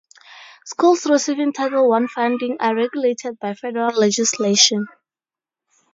Schools receiving Title One funding are regulated by federal legislation.